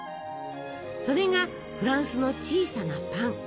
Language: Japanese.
それが「フランスの小さなパン」。